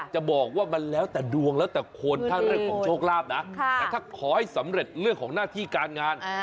จะบอกว่ามันแล้วแต่ดวงแล้วแต่คนถ้าเรื่องของโชคลาภนะแต่ถ้าขอให้สำเร็จเรื่องของหน้าที่การงาน